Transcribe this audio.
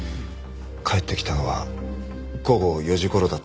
帰ってきたのは午後４時頃だったと思います。